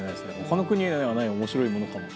他の国にはない面白いものかも。